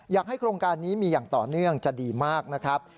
โครงการนี้มีอย่างต่อเนื่องจะดีมากนะครับ